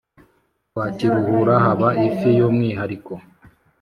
Kwakiruhura haba ifi yumwihariko